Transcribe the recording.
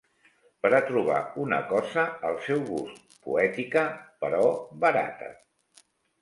Pera trobar una cosa al seu gust: poètica, però barata